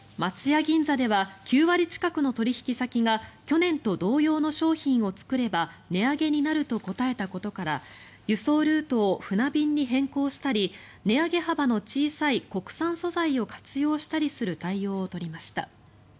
銀座では９割近くの取引先が去年と同様の商品を作れば値上げになると答えたことから輸送ルートを船便に変更したり値上げ幅の小さい国産素材を活用したりする対応を取りました。